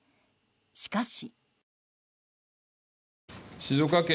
しかし。